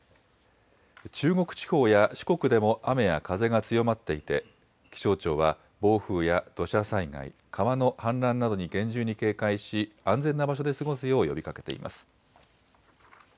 中国地方や四国でも雨や風が強まっていて、気象庁は暴風や土砂災害、川の氾濫などに厳重に警戒し、安全な場所で過ごすよう呼びかけています。